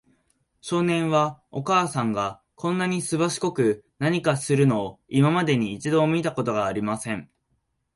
少年は、お母さんがこんなにすばしこく何かするのを、今までに一度も見たことがありません。